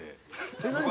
えっ何が？